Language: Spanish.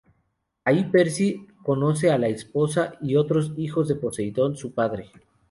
Ahí, Percy conoce a la esposa y otros hijos de Poseidón, su padre.